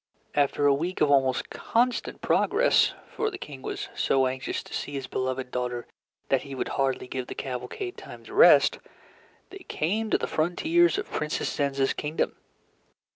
After a week of almost constant progress (for the King was so anxious to see his beloved daughter that he would hardly give the cavalcade time to rest), they came to the frontiers of Princess Zenza's kingdom.